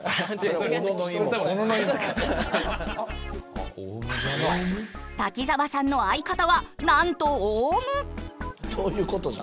いやいや滝沢さんの相方はなんとオウム。